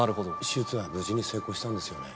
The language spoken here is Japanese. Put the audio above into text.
手術は無事に成功したんですよね？